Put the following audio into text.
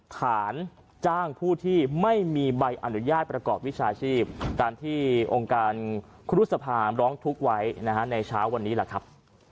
ฐานจ้างผู้ที่ไม่มีใบอนุญาตประกอบวิชาชีพตามที่องค์การครุฑสภาร้องทุกข์ไว้ในเช้าวันนี้แหละครับ